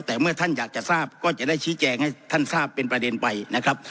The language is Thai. แต่เมื่อท่านอยากจะทราบก็จะได้ชี้แจงให้ท่านทราบเป็นประเด็นไปนะครับ